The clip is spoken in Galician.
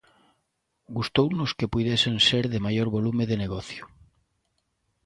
Gustounos que puidesen ser de maior volume de negocio.